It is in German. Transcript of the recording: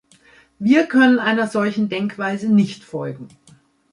Wir können einer solchen Denkweise nicht folgen.